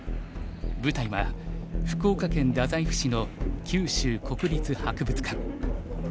舞台は福岡県太宰府市の九州国立博物館。